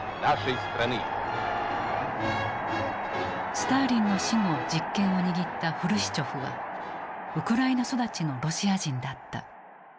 スターリンの死後実権を握ったフルシチョフはウクライナ育ちのロシア人だった。